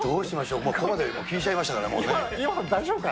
もうここまで聞いちゃいましたから、もうね。